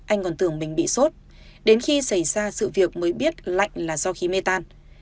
anh còn tưởng mình bị sốt đến khi xảy ra sự việc mới biết lạnh là do khí mê tan